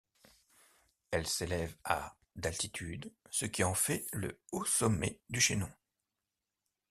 Elle s'élève à d'altitude ce qui en fait le haut sommet du chaînon.